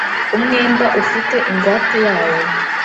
umwenda ufite ingwate yawo